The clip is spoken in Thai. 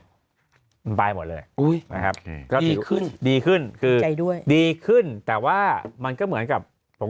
มันไปหมดเลยดีขึ้นดีขึ้นดีขึ้นแต่ว่ามันก็เหมือนกับผม